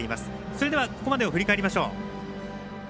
それではここまでを振り返ります。